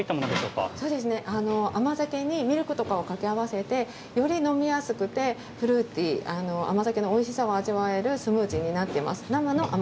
甘酒にミルクとかを掛け合わせてより飲みやすくてフルーティー甘酒のおいしさを味わえるスムージーになっています。